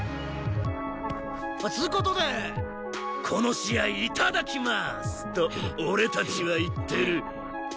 つう事でこの試合頂きます！と俺たちは言ってる。